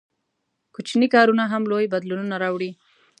• کوچني کارونه هم لوی بدلونونه راوړي.